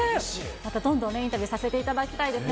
またどんどんインタビューさせていただきたいです。